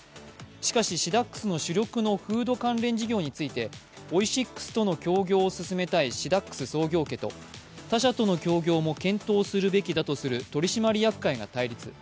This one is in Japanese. しかし、シダックスの主力のフード関連事業について、オイシックスとの協業を進めたいシダックスと他社との協業も検討するべきだとする取締役会が対立。